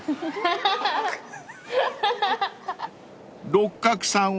［六角さんは？］